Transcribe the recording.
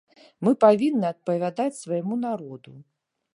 Мы павінны адпавядаць свайму народу.